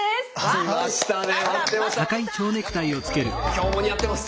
今日も似合ってます。